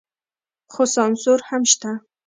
خو سانسور هم شته.